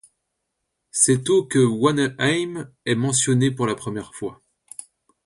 C’est au que Wannehain est mentionné pour la première fois.